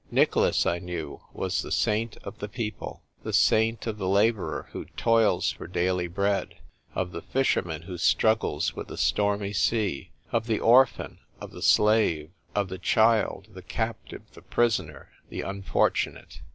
Nicholas, I knew, was the saint of the people — the saint of the labourer who toils for daily bread, of the fisherman who struggles with the stormy sea, of the orphan, of the slave, of the child, the captive, the prisoner, the unfortunate.